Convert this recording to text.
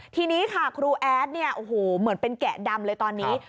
ทีนี้ค่ะครูแอดเหมือนเป็นแกะดำเลยตอนนี้